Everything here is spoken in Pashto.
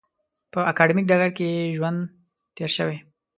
په اکاډمیک ډګر کې یې ژوند تېر شوی.